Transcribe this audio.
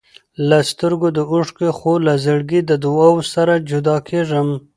له سترګو د اوښکو، خو له زړګي د دعاوو سره جدا کېږم.